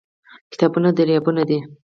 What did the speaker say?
کتابونه دريابونه دي